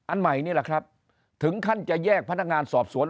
อันใหม่นี่แหละครับถึงขั้นจะแยกพนักงานสอบสวน